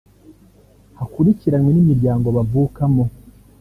hakurikiranwe n’imiryango bavukamo